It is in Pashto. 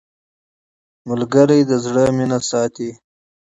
ملګری د زړه مینه ساتي